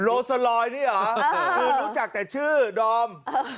โซลอยนี่เหรอคือรู้จักแต่ชื่อดอม